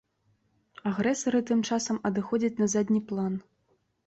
Агрэсары тым часам адыходзяць на задні план.